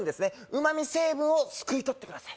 旨味成分をすくい取ってください